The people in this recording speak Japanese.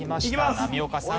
波岡さん